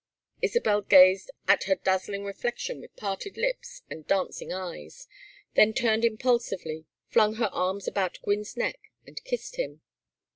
Isabel gazed at her dazzling reflection with parted lips and dancing eyes, then turned impulsively, flung her arms about Gwynne's neck, and kissed him.